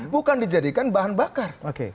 bukan dijadikan bahan bakar